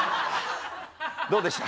どうでした？